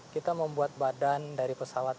kita membuat badan dari pesawat